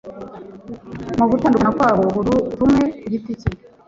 Mu gutandukana kwabo buri rumwe kugiti cye